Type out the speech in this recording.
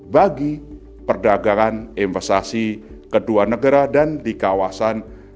bagi perdagangan investasi kedua negara dan di kawasan